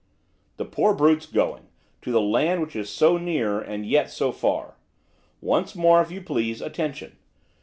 'The poor brute's going, to the land which is so near, and yet so far. Once more, if you please, attention.